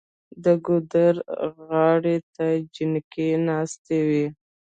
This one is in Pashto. د ګودر غاړې ته جینکۍ ناستې وې